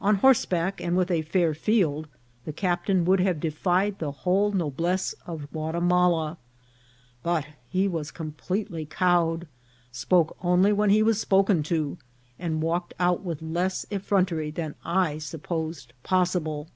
On horseback and with a fair field, the captain would have defied the whole no blesse of Guatimala ; but he was completely cowed, spoke only when he was spoken to, and walked out with less effrontery than I supposed possible.